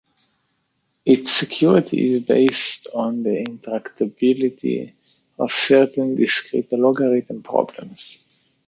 Its security is based on the intractability of certain discrete logarithm problems.